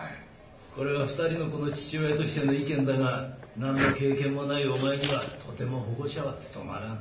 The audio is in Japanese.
これは２人の子の父親としての意見だが何の経験もないお前にはとても保護者は務まらん。